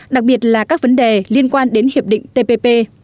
đặc biệt là các vấn đề liên quan đến hiệp định tpp